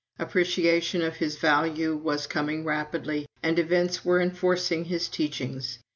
Appreciation of his value was coming rapidly, and events were enforcing his teachings.